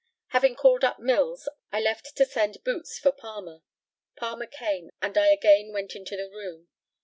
Having called up Mills, I left to send "Boots" for Palmer. Palmer came, and I again went into the room.